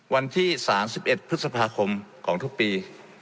วันที่๓๑พฤษภาคมของทุกปี